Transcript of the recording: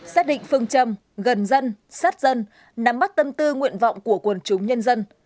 xác định phương châm gần dân sát dân nắm bắt tâm tư nguyện vọng của quần chúng nhân dân